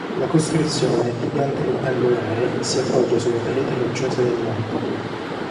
La costruzione, di pianta rettangolare, si appoggia sulla parete rocciosa del monte.